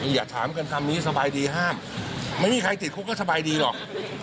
อย่าถามกันคำนี้สบายดีห้ามไม่มีใครติดคุกก็สบายดีหรอก